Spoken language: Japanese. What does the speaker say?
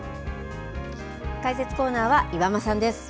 解説コーナーは岩間さんです。